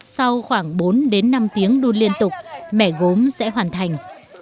sau khoảng bốn đến năm tiếng đun liên tục mẻ gốm sẽ hoàn thành